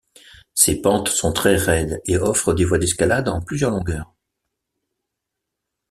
Ses pentes sont très raides et offrent des voies d'escalade en plusieurs longueurs.